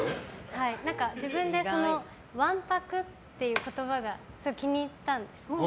自分が、わんぱくって言葉がすごく気に入ったんですね。